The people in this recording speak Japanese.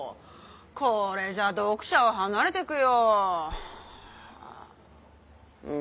これじゃ読者は離れていくよ。